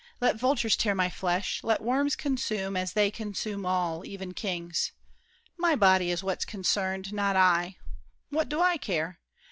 Let vultures tear my flesh, let worms consume, As they consume all, even kings; my body Is what's concerned, not I. What do I care?